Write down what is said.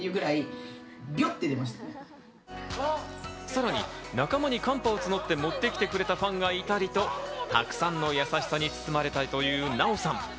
さらに仲間にカンパを募って持ってきてくれたファンがいたりと、たくさんの優しさに包まれたというナヲさん。